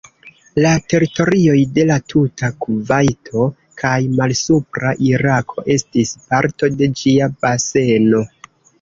La teritorioj de la tuta Kuvajto kaj malsupra Irako estis parto de ĝia baseno.